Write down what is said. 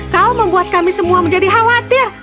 kau membuat kami semua menjadi khawatir